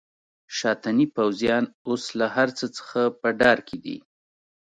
شاتني پوځیان اوس له هرڅه څخه په ډار کې دي.